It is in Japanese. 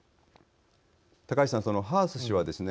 高橋さん、そのハース氏はですね